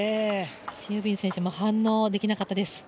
シン・ユビン選手も反応できなかったです。